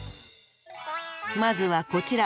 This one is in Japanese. まずはこちら。